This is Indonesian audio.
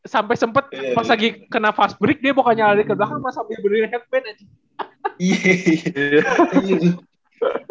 sampai sempet pas lagi kena fast break dia pokoknya lari ke belakang pas sampai beliin headband aja